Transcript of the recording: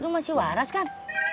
lu masih waras kan